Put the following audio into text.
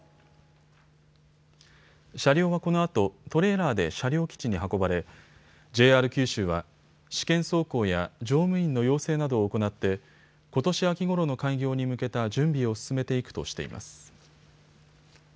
車両はこのあとトレーラーで車両基地に運ばれＪＲ九州は試験走行や乗務員の養成などを行ってことし秋ごろの開業に向けた準備を進めていくとしています。